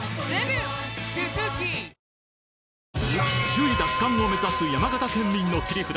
首位奪還を目指す山形県民の切り札！